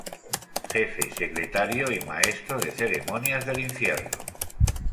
Jefe secretario y maestro de ceremonias del Infierno.